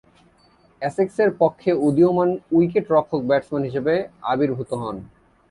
এসেক্সের পক্ষে উদীয়মান উইকেট-রক্ষক-ব্যাটসম্যান হিসেবে আবির্ভূত হন।